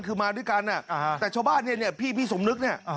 คือมาด้วยกันแต่ชาวบ้านเนี่ยพี่สมนึกเนี่ย